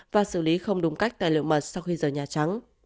và xử lý không đúng cách tài liệu mật sau khi rời nhà trắng